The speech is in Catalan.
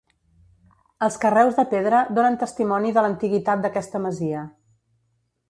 Els carreus de pedra donen testimoni de l'antiguitat d'aquesta masia.